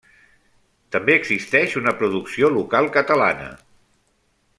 També existeix una producció local catalana.